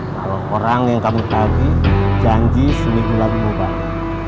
kalau orang yang kamu pagi janji seminggu lagi mau pagi